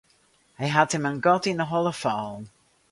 Hy hat him in gat yn 'e holle fallen.